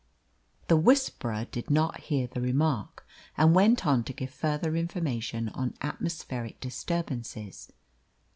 The whisperer did not hear the remark, and went on to give further information on atmospheric disturbances.